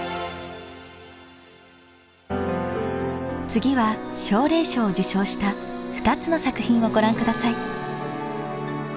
次は奨励賞を受賞した２つの作品をご覧下さい。